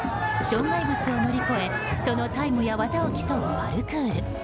障害物を乗り越えそのタイムや技を競うパルクール。